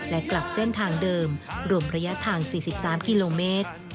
และกลับเส้นทางเดิมรวมระยะทาง๔๓กิโลเมตร